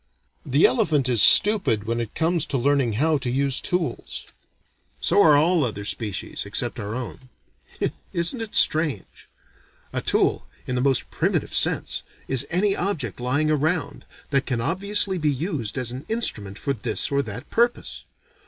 The elephant is stupid when it comes to learning how to use tools. So are all other species except our own. Isn't it strange? A tool, in the most primitive sense, is any object, lying around, that can obviously be used as an instrument for this or that purpose.